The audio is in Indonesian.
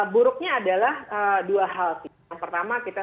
buruknya adalah dua hal sih